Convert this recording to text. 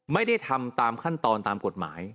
ไม่ได้ทำตามขั้นตอนตามกฎหมาย